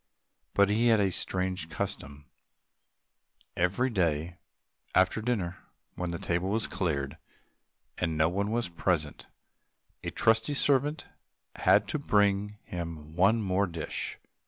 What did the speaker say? But he had a strange custom; every day after dinner, when the table was cleared, and no one else was present, a trusty servant had to bring him one more dish.